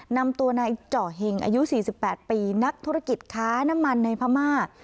นำตัวนายเจาะเห็งอายุ๔๘ปีนักธุรกิจค้าน้ำมันในพม่า